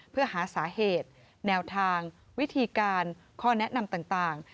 เพื่อหาสาเหตุแนวทางวิธีการข้อแนะนำต่าง